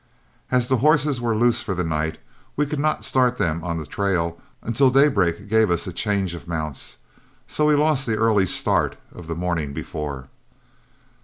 As the horses were loose for the night, we could not start them on the trail until daybreak gave us a change of mounts, so we lost the early start of the morning before.